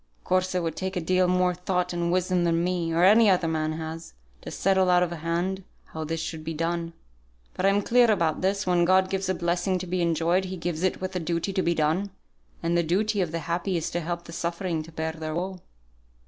Of course it would take a deal more thought and wisdom than me, or any other man has, to settle out of hand how this should be done. But I'm clear about this, when God gives a blessing to be enjoyed, He gives it with a duty to be done; and the duty of the happy is to help the suffering to bear their woe."